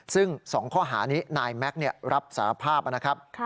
ซึ่ง๒ข้อหานี้นายแม็กซ์รับสารภาพนะครับ